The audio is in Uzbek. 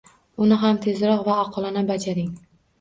Uni ham tezroq va oqilona bajaring.